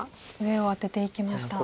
上をアテていきました。